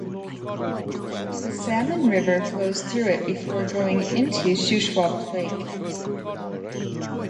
The Salmon River flows through it before going into Shuswap Lake.